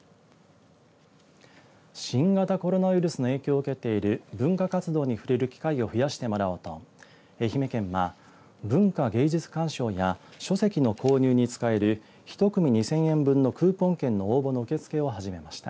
新型コロナウイルスの影響を受けている文化活動に触れる機会を増やしてもらおうと愛媛県は文化芸術鑑賞や書籍の購入に使える１組２０００円分のクーポン券の応募の受け付けを始めました。